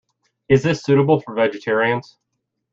Is this suitable for vegetarians?